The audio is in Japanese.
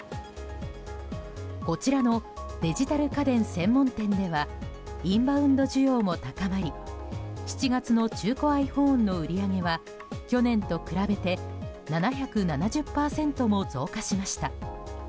こちらのデジタル家電専門店ではインバウンド需要も高まり７月の中古ｉＰｈｏｎｅの売り上げは去年と比べて７７０％も増加しました。